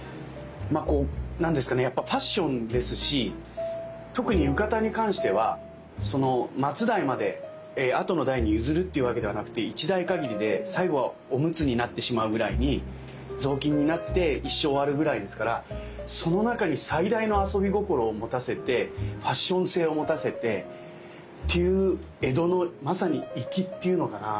まあ何ですかねやっぱファッションですし特に浴衣に関しては末代まであとの代に譲るっていうわけではなくて１代限りで最後はおむつになってしまうぐらいに雑巾になって一生終わるぐらいですからその中に最大の遊び心を持たせてファッション性を持たせてっていう江戸のまさに粋っていうのかな